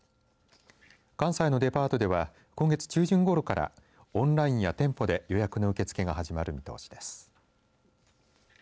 関西のデパートでは今月中旬ごろからオンラインや店舗で予約の受け付けが始まる見通しです。